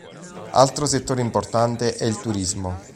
Altro settore importante è il turismo.